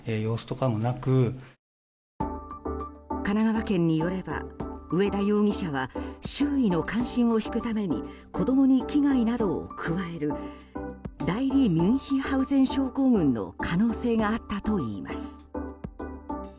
神奈川県によれば上田容疑者は周囲の関心を引くために子供に危害などを加える代理ミュンヒハウゼン症候群の可能性があったといいます。